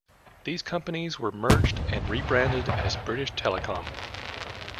These companies were merged and rebranded as British Telecom.